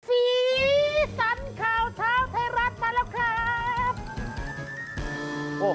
สีสันข่าวเช้าไทยรัฐมาแล้วครับ